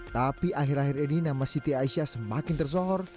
tapi akhir akhir ini nama siti aisyah semakin tersohor